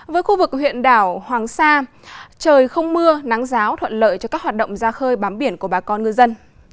với khu vực huyện đảo hoàng sa trời không mưa nắng giáo thuận lợi cho các hoạt động ra khơi bám biển của bà con ngư dân